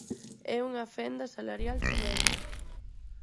É unha fenda salarial tremenda.